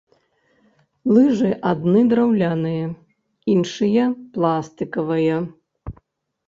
Лыжы адны драўляныя, іншыя пластыкавыя.